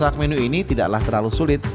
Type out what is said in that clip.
sak menu ini tidaklah terlalu sulit